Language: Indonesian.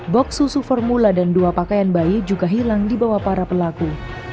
bok susu formula dan dua pakaian bayi juga hilang di bawah para pelaku